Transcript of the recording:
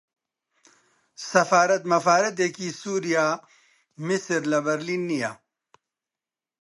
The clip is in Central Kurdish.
سەفارەت مەفارەتێکی سووریا، میسر لە برلین نییە